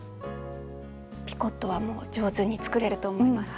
ピコットはもう上手に作れると思います。